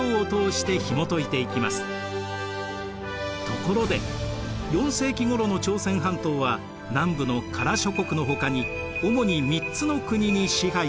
ところで４世紀ごろの朝鮮半島は南部の加羅諸国のほかに主に３つの国に支配されていました。